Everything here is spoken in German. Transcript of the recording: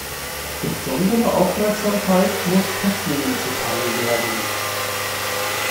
Besondere Aufmerksamkeit muss Häftlingen zuteil werden.